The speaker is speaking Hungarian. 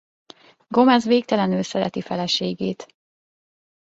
Gomez végtelenül szereti feleségét.